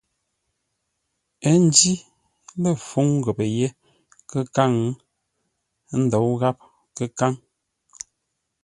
Ə́ njǐ lə̂ fúŋ ghəpə́ yé kə́káŋ, ə́ ndǒu gháp kə́káŋ.